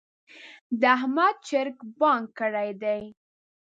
د احمد چرګ بانګ کړی دی.